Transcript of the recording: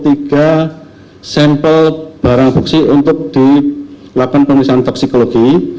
kita menerima dua puluh tiga sampel barang buksi untuk dilakukan penelitian toksikologi